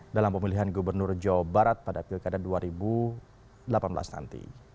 dalam pemilihan gubernur jawa barat pada pilkada dua ribu delapan belas nanti